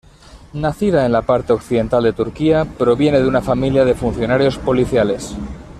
Nacida en la parte occidental de Turquía, proviene de una familia de funcionarios policiales.